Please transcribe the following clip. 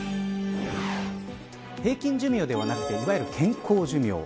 平均寿命ではなくいわゆる健康寿命。